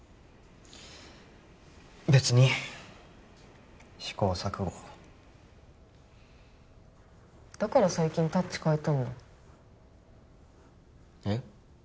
別に試行錯誤だから最近タッチ変えたんだえっ？